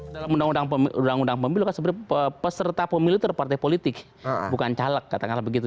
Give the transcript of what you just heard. dalam undang undang pemilu kan sebenarnya peserta pemilu terpartai politik bukan caleg katakanlah begitu